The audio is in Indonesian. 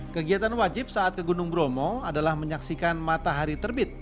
kegiatan wajib saat ke gunung bromo adalah menyaksikan matahari terbit